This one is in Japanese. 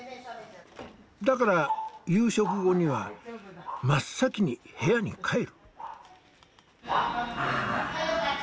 だから夕食後には真っ先に部屋に帰る。